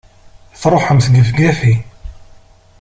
Truḥemt gefgafi!